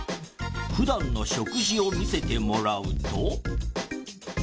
普段の食事を見せてもらうと。